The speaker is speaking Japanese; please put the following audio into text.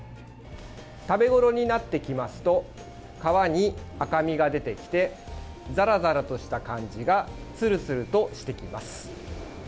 食べ頃になってきますと皮に赤みが出てきてザラザラとした感じがツルツルとしてきます。